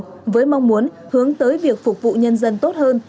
với mong muốn hướng tới việc phục vụ nhân dân tốt hơn